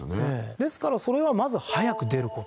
ですからそれはまず早く出る事。